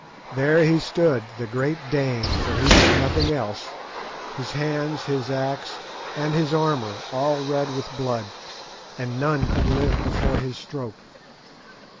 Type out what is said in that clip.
There he stood, the great Dane, for he was nothing else, his hands, his axe, and his armour all red with blood, and none could live before his stroke.